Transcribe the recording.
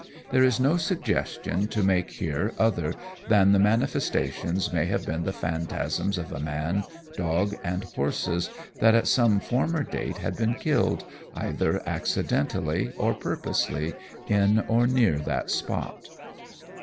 There is no suggestion to make here other than the manifestations may have been the phantasms of a man, dog, and horses that at some former date had been killed, either accidentally or purposely, in or near that spot.